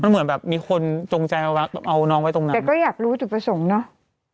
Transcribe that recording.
มันเหมือนแบบมีคนจงใจเอาน้องไว้ตรงนั้นแต่ก็อยากรู้จุดประสงค์เนอะ